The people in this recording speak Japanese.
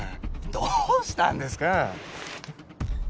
どうしたんですか？